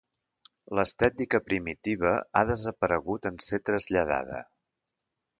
L'estètica primitiva ha desaparegut en ser traslladada.